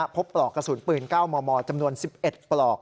ปลอกกระสุนปืน๙มมจำนวน๑๑ปลอก